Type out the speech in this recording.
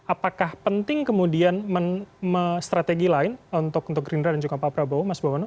apakah penting kemudian strategi lain untuk gerindra dan juga pak prabowo mas bawono